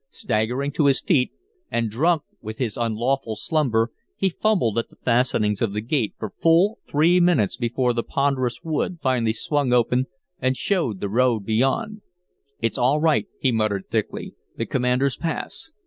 Staggering to his feet, and drunk with his unlawful slumber, he fumbled at the fastenings of the gate for full three minutes before the ponderous wood finally swung open and showed the road beyond. "It's all right," he muttered thickly. "The commander's pass.